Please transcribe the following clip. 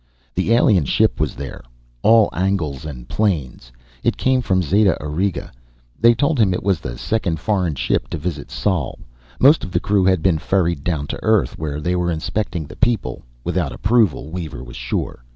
The alien ship was there, all angles and planes it came from Zeta Aurigae, they told him, and was the second foreign ship to visit Sol. Most of the crew had been ferried down to Earth, where they were inspecting the people (without approval, Weaver was sure).